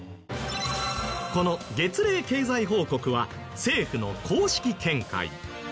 この月例経済報告は政府の公式見解。